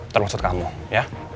terusut kamu ya